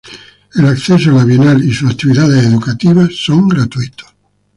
El acceso a la bienal y sus actividades educativas son gratuitos.